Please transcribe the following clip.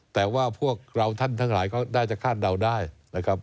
แต่ว่าพวกเราท่านทั้งหลายก็น่าจะคาดเดาได้นะครับ